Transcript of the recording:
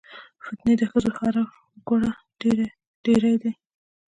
فتنې د ښځو هر ګوره ډېرې دي